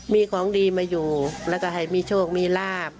มีของดีมาอยู่แล้วก็ให้มีโชคมีลาบ